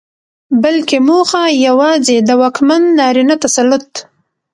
بلکې موخه يواځې د واکمن نارينه تسلط